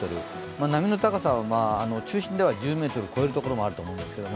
波の高さは中心では１０ｍを超えるところもあると思うんですけど。